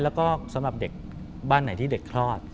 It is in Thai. แล้วก็สำหรับเด็กบ้านไหนที่เด็กคลอด